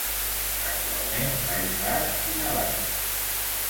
Actualment País Basc i Navarra.